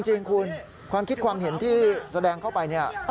จริงคุณความคิดความเห็นที่แสดงเข้าไปเนี่ย